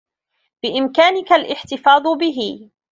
بإمكانك الاحتفاظ به.